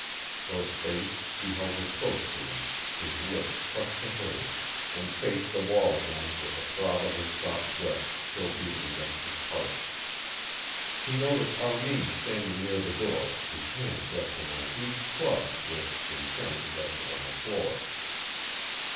For a space he held her close to him, his lips crushed to hers, and faced the wall again with the throb of her soft breast still beating against his heart. He noticed Armin standing near the door, his hand resting on a huge club which, in turn, rested on the floor.